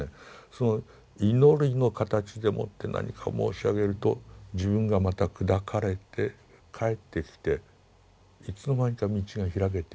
その祈りの形でもって何かを申し上げると自分がまた砕かれて返ってきていつの間にか道が開けていく。